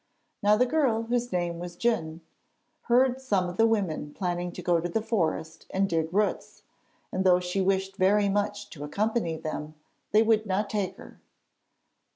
Now the girl, whose name was Djun, heard some of the women planning to go to the forest and dig roots, and though she wished very much to accompany them, they would not take her.